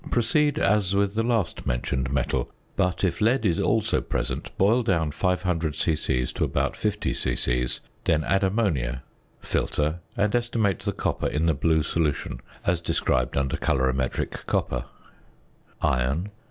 ~ Proceed as with the last mentioned metal; but, if lead is also present, boil down 500 c.c. to about 50 c.c., then add ammonia, filter, and estimate the copper in the blue solution, as described under Colorimetric Copper. ~Iron.